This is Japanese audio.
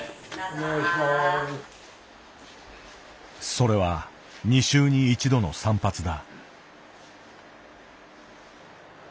それは２週に１度の散髪だ。